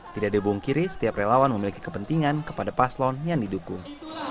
tidak dibungkiri setiap relawan memiliki kepentingan kepada paslon yang didukung